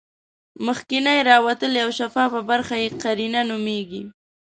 مخکینۍ راوتلې او شفافه برخه یې قرنیه نومیږي.